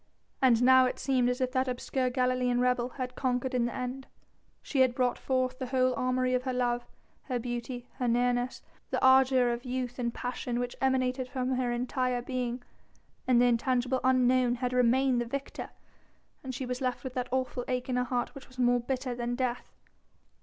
And now it seemed as if that obscure Galilean rebel had conquered in the end. She had brought forth the whole armoury of her love, her beauty, her nearness, the ardour of youth and passion which emanated from her entire being, and the intangible Unknown had remained the victor, and she was left with that awful ache in her heart which was more bitter than death.